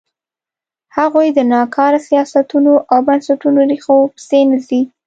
هغوی د ناکاره سیاستونو او بنسټونو ریښو پسې نه ځي.